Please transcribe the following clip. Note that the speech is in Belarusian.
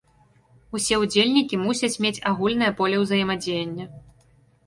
Усе ўдзельнікі мусяць мець агульнае поле ўзаемадзеяння.